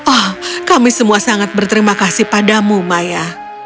oh kami semua sangat berterima kasih padamu maya